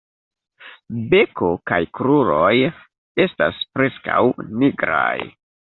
Beko kaj kruroj estas preskaŭ nigraj.